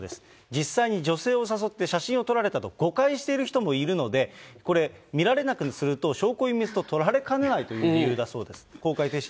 実際に女性を誘って写真を撮られたと誤解している人もいるので、これ、見られなくすると証拠隠滅と取られかねないという理由だそうです。